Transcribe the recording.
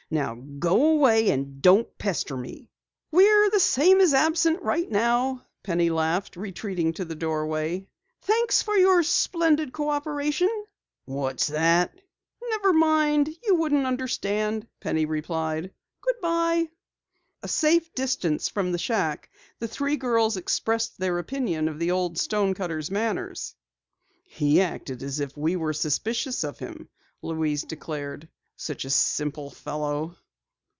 Now go away and don't pester me." "We're the same as absent right now," Penny laughed, retreating to the doorway. "Thanks for your splendid cooperation." "What's that?" "Never mind, you wouldn't understand," Penny replied. "Goodbye." A safe distance from the shack, the three girls expressed their opinion of the old stonecutter's manners. "He acted as if we were suspicious of him," Louise declared. "Such a simple fellow!"